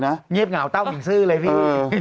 เงียบเหงาเต้าหินซื่อเลยพี่